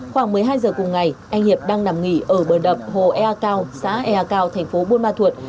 khoảng một mươi hai giờ cùng ngày anh hiệp đang nằm nghỉ ở bờ đập hồ ea cao xã ea cao thành phố buôn ma thuột